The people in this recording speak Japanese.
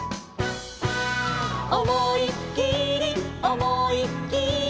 「おもいっきりおもいっきり」